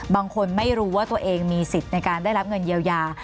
บางคนไม่รู้ว่าตัวเองมีสิทธิ์ในการได้รับเงินเยียวยา